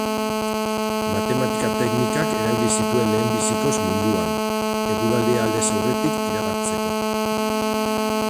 Matematika-teknikak erabili zituen lehenbizikoz munduan, eguraldia aldez aurretik iragartzeko.